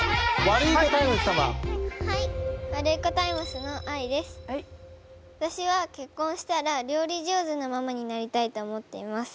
わたしは結婚したら料理上手なママになりたいと思っています。